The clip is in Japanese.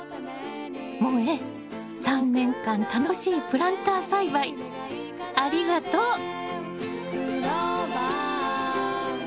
もえ３年間楽しいプランター栽培ありがとう！